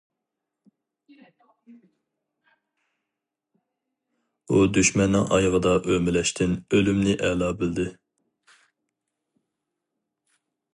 ئۇ دۈشمەننىڭ ئايىغىدا ئۆمىلەشتىن ئۆلۈمنى ئەلا بىلدى.